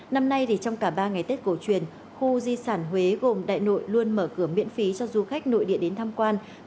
năm nay trong cả ba ngày tết cổ truyền khu di sản huế gồm đại nội luôn mở cửa miễn phí cho du khách nội địa đến tham quan